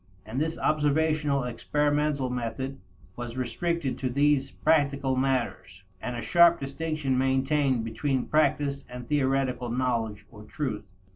And this observational experimental method was restricted to these "practical" matters, and a sharp distinction maintained between practice and theoretical knowledge or truth.